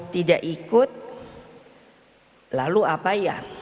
tidak ikut lalu apa ya